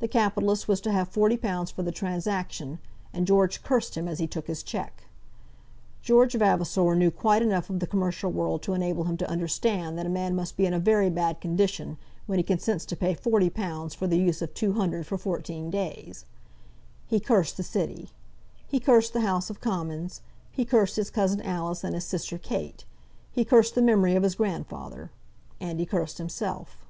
The capitalist was to have forty pounds for the transaction, and George cursed him as he took his cheque. George Vavasor knew quite enough of the commercial world to enable him to understand that a man must be in a very bad condition when he consents to pay forty pounds for the use of two hundred for fourteen days. He cursed the City. He cursed the House of Commons. He cursed his cousin Alice and his sister Kate. He cursed the memory of his grandfather. And he cursed himself.